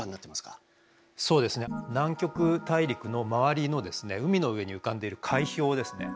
南極大陸の周りの海の上に浮かんでいる海氷ですね。